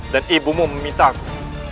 dan ibumu memintaku